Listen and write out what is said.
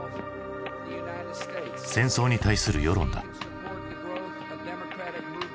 戦争に対する世論だ。